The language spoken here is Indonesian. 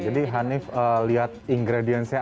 jadi hanif lihat ingredientnya